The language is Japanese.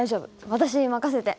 私に任せて。